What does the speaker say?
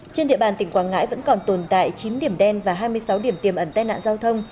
trên địa bàn tỉnh quảng ngãi vẫn còn tồn tại chín điểm đen và hai mươi sáu điểm tiềm ẩn tai nạn giao thông